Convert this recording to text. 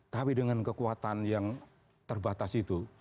tapi dengan kekuatan yang terbatas itu